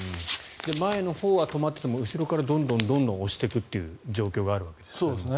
前のほうは止まっていても後ろからどんどん押していくという状況があるんですよね。